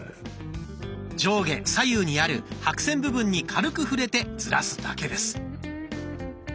上下左右にある白線部分に軽く触れてずらすだけです。